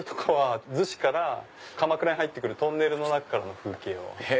子から鎌倉に入ってくるトンネルの中からの風景。